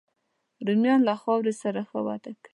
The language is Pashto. رومیان له خاورې سره ښه وده کوي